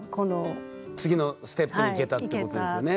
次のステップにいけたってことですよね。